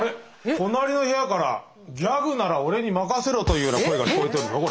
隣の部屋から「ギャグなら俺に任せろ」というような声が聞こえとるぞこれ。